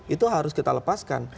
itu harus kita lepaskan